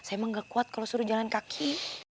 saya emang gak kuat kalau suruh jalan kaki